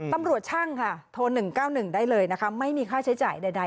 ตำรวจช่างค่ะโทร๑๙๑ได้เลยนะคะไม่มีค่าใช้จ่ายใด